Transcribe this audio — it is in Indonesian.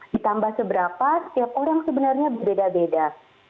ditambah seberapa setiap orang sebenarnya beda beda